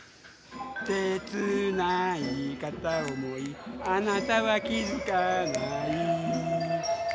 「せつない片想いあなたは気づかない」